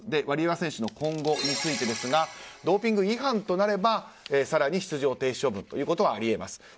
ワリエワ選手の今後についてドーピング違反となれば更に出場停止処分ということはあり得ます。